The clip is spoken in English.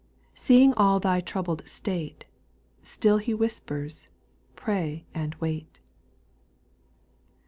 Seeing all thy troubled state. Still He whispers —" Pray and wait."